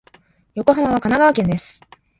横浜は神奈川県です。